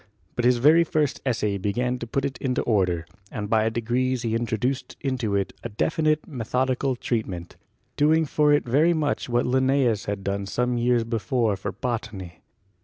But his very first essay began to put it into order, and by degrees he introduced into it a definite methodical treatment, doing for it very much what Linnaeus had done some years before for botany.